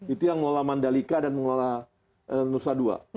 itu yang mengelola mandalika dan mengelola nusa dua